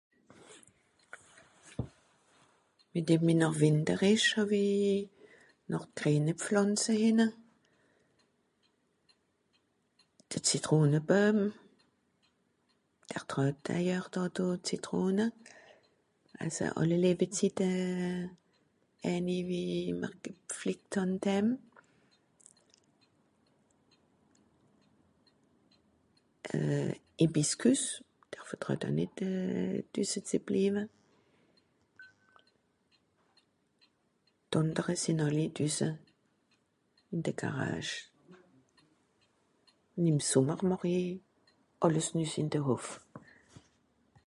Mìt dem wie noch Wìnter ìsch, hàw-i noch d grüene Pflànze hìnne. De Zitroneboem. Der troet d'ailleurs dàdo Zitrone. Esse àlli ebezitte äni wie mr gepflüeckt hàn d hääm. Euh... Ibiscus, der vertroet aa nìt euh düsse ze bliewe. D'àndere sìnn àlli düsse, ìn de Garage. Ùn ìm Sùmmer màch i àlles nüss ìn de Hof.